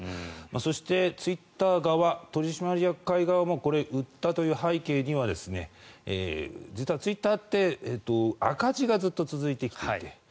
そして、ツイッター側取締役会側も売ったという背景には実はツイッターって赤字がずっと続いてきている。